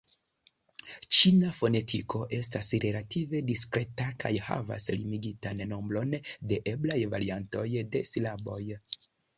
Ĉina fonetiko estas relative diskreta kaj havas limigitan nombron de eblaj variantoj de silaboj.